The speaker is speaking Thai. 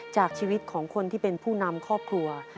จากชีวิตของคนที่เป็นผู้นำครอบครัว